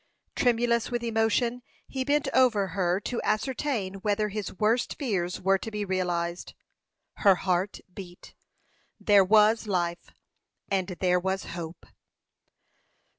Tremulous with emotion, he bent over her to ascertain whether his worst fears were to be realized. Her heart beat; there was life, and there was hope.